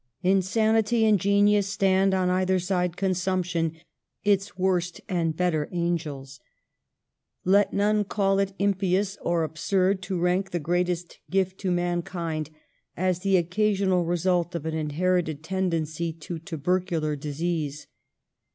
Insanity and genius stand on either side con sumption, its worse and better angels. Let none call it impious or absurd to rank the greatest gift to mankind as the occasional result of an inherited tendency to tubercular disease.